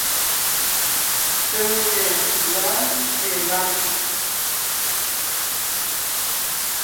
Keŋne lɔ̌ɔn ńtyê láŋ.